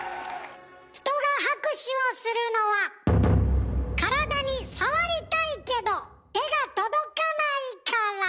人が拍手をするのは体に触りたいけど手が届かないから。